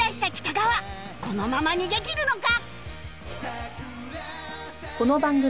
このまま逃げきるのか！？